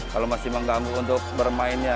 kalau masih mengganggu untuk bermainnya